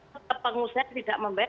tetap pengusaha tidak membayar